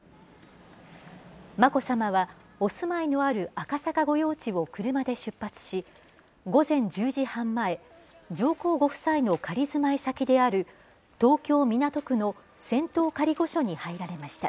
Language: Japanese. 眞子さまは、お住まいのある赤坂御用地を車で出発し、午前１０時半前、上皇ご夫妻の仮住まい先である、東京・港区の仙洞仮御所に入られました。